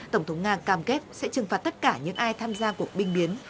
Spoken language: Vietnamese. tổng thống nga cam kết sẽ trừng phạt tất cả những ai tham gia cuộc binh biến